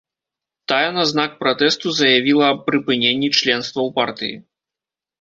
Тая на знак пратэсту заявіла аб прыпыненні членства ў партыі.